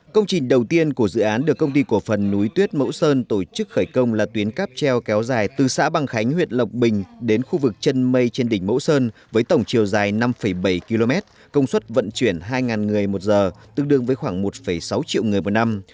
công trình đầu tiên của dự án được công ty cổ phần núi tuyết mẫu sơn tổ chức khởi công là tuyến cáp treo kéo dài từ xã bằng khánh huyện lộc bình đến khu vực chân mây trên đỉnh mẫu sơn với tổng chiều dài năm bảy km công suất vận chuyển hai người một giờ tương đương với khoảng một sáu triệu người một năm